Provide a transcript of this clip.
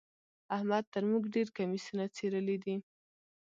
احمد تر موږ ډېر کميسونه څيرلي دي.